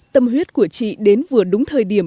tâm huyết của chị đến vừa đúng thời điểm